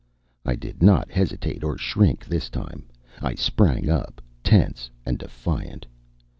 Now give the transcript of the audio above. I did not hesitate or shrink this time. I sprang up, tense and defiant.